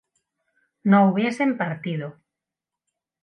no hubiesen partido